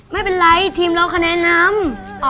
ไม่เป็นไรทีมเราคะแนนนำ